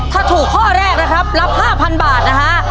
ถ้าถูกข้อแรกนะครับรับ๕๐๐บาทนะฮะ